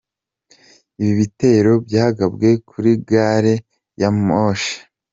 Ibi bitero byagabwe kuri Gari ya moshi.